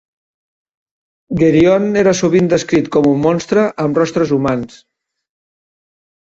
Geryon era sovint descrit com un monstre amb rostres humans.